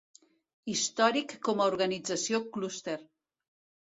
Històric com a organització clúster.